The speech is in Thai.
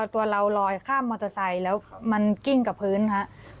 ตัวเราลอยข้ามมอเตอร์ไซค์แล้วมันกิ้งกับพื้นครับ